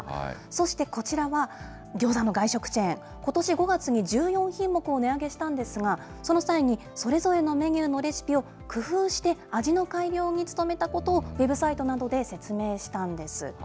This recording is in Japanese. そしてこちらは、ギョーザの外食チェーン、ことし５月に１４品目を値上げしたんですが、その際にそれぞれのメニューのレシピを工夫して、味の改良に努めたことをウェブサイトなどで説明したんです。